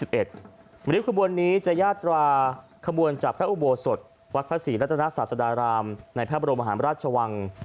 ริ้วขบวนนี้จะยาตราขบวนจากพระอุโบสถวัดพระศรีรัตนาศาสดารามในพระบรมหาราชวัง